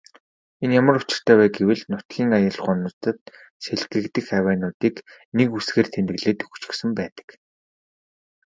Энэ ямар учиртай вэ гэвэл нутгийн аялгуунуудад сэлгэгдэх авиануудыг нэг үсгээр тэмдэглээд өгчихсөн байдаг.